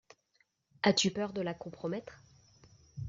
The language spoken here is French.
As-tu peur de la compromettre ?